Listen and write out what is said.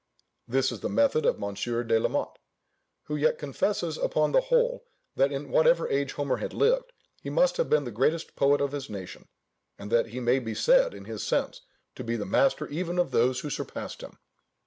This is the method of Mons. de la Mott; who yet confesses upon the whole that in whatever age Homer had lived, he must have been the greatest poet of his nation, and that he may be said in his sense to be the master even of those who surpassed him.